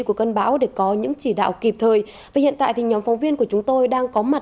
của cơn bão để có những chỉ đạo kịp thời và hiện tại thì nhóm phóng viên của chúng tôi đang có mặt